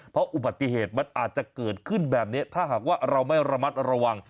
เพราะอุบัติเหตุมันอาจจะเกิดขึ้นแบบนี้ถ้าหากว่าเราไม่ระมัดระวัง